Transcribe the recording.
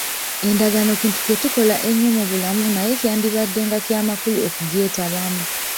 Endagaano kintu kye tukola ennyo mu bulamu naye kyandibaddenga kya makulu okukyetabamu.